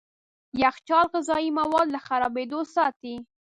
يخچال غذايي مواد له خرابېدو ساتي.